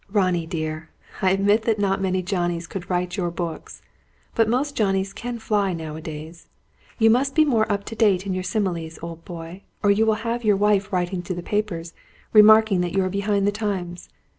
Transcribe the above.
"Ronnie dear, I admit that not many Johnnies could write your books. But most Johnnies can fly, now a days! You must be more up to date in your similes, old boy; or you will have your wife writing to the papers, remarking that you are behind the times!